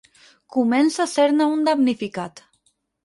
Comença a ser-ne un damnificat.